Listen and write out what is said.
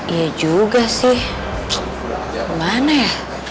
iya juga sih gimana ya